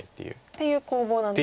っていう攻防なんですね。